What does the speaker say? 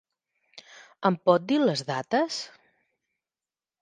Em pot dir les dates?